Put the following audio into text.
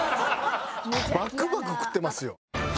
バクバク食ってますよ。